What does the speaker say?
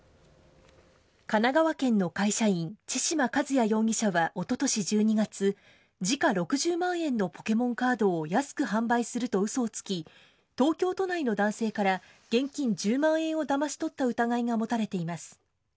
神奈川県の会社員、千島和也容疑者はおととし１２月、時価６０万円のポケモンカードを安く販売するとうそをつき、東京都内の男性から現金１０万円をだまし取った疑いが持たれています。